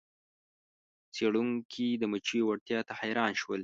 څیړونکي د مچیو وړتیا ته حیران شول.